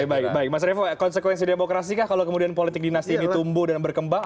baik baik mas revo konsekuensi demokrasi kah kalau kemudian politik dinasti ini tumbuh dan berkembang